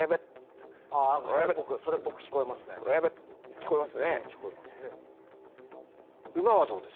聞こえます。